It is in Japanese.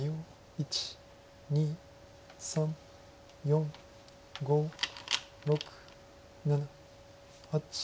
１２３４５６７８９。